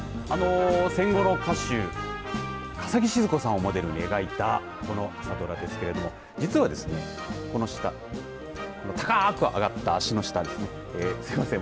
戦後の歌手笠置シヅ子さんをモデルに描いたこの朝ドラですけれどもこの高く上がった足の下すいません